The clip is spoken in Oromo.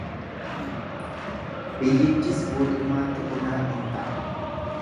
Biyyichis guutummaatti onaa in ta'a.